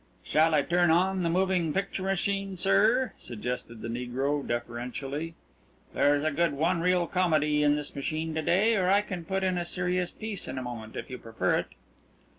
"Shall I turn on the moving picture machine, sir?" suggested the negro deferentially. "There's a good one reel comedy in this machine to day, or I can put in a serious piece in a moment, if you prefer it."